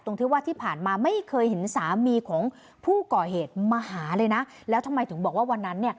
ที่ว่าที่ผ่านมาไม่เคยเห็นสามีของผู้ก่อเหตุมาหาเลยนะแล้วทำไมถึงบอกว่าวันนั้นเนี่ย